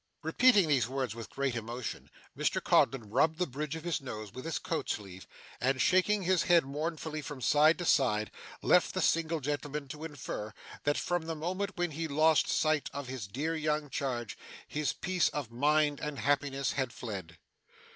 Repeating these words with great emotion, Mr Codlin rubbed the bridge of his nose with his coat sleeve, and shaking his head mournfully from side to side, left the single gentleman to infer that, from the moment when he lost sight of his dear young charge, his peace of mind and happiness had fled.